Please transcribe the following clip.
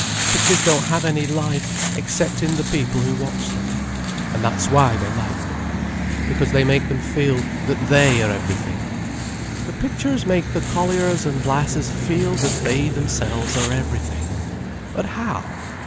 Pictures don't have any life except in the people who watch them. And that's why they like them. Because they make them feel that they are everything." "The pictures make the colliers and lasses feel that they themselves are everything? But how?